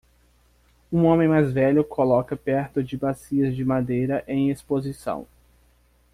Um homem mais velho coloca perto de bacias de madeira em exposição.